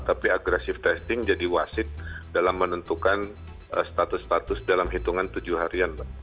tapi agresif testing jadi wasit dalam menentukan status status dalam hitungan tujuh harian mbak